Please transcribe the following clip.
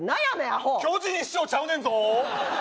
アホ巨人師匠ちゃうねんぞ